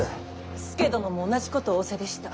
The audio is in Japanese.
佐殿も同じことを仰せでした。